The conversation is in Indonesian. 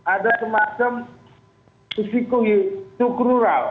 ada semacam kesikui itu kruural